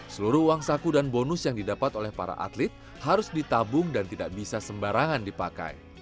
seluruh uang saku dan bonus yang didapat oleh para atlet harus ditabung dan tidak bisa sembarangan dipakai